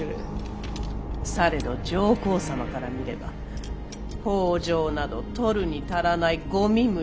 されど上皇様から見れば北条など取るに足らないごみ虫。